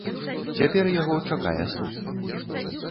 Цяпер яго чакае суд.